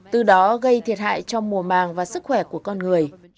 từ đó gây thiệt hại cho mùa màng và sức khỏe của con người